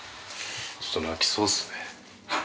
ちょっと泣きそうっすね。